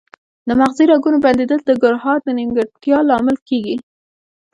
د مغزي رګونو بندیدل د ګړهار د نیمګړتیا لامل کیږي